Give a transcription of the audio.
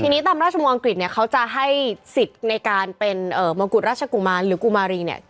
ทีนี้ตามราชมังกฤษเนี่ยเขาจะให้สิทธิ์ในการเป็นมงกุฎราชกุมารหรือกุมารีเนี่ย